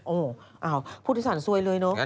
โอ้โหผู้โดยสารซวยเลยเนอะ